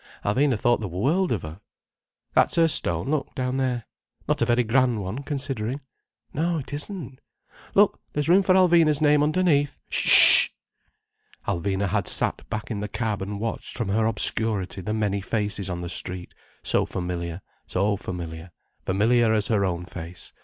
Alvina thought the world of her. That's her stone—look, down there. Not a very grand one, considering. No, it isn't. Look, there's room for Alvina's name underneath. Sh!— Alvina had sat back in the cab and watched from her obscurity the many faces on the street: so familiar, so familiar, familiar as her own face.